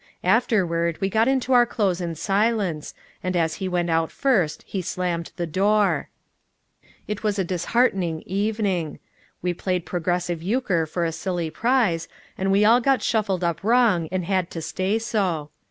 Afterward we got into our clothes in silence, and as he went out first he slammed the door. It was a disheartening evening. We played progressive uchre for a silly prize, and we all got shuffled up wrong and had to stay so.